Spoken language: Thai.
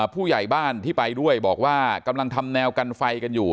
ผู้ใหญ่บ้านที่ไปด้วยบอกว่ากำลังทำแนวกันไฟกันอยู่